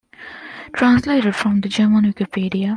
"Translated from the German Wikipedia"